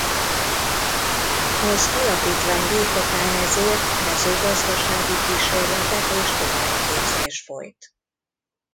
Az alapítvány birtokán ezért mezőgazdasági kísérletek és továbbképzés folyt.